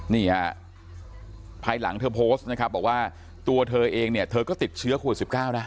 นี่ฮะภายหลังเธอโพสต์นะครับบอกว่าตัวเธอเองเนี่ยเธอก็ติดเชื้อโควิด๑๙นะ